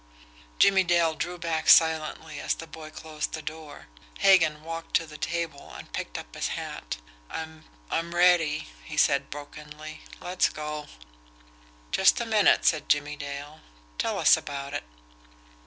Jimmie Dale drew back silently as the boy closed the door. Hagan walked to the table and picked up his hat. "I'm I'm ready," he said brokenly. "Let's go." "Just a minute," said Jimmie Dale. "Tell us about it."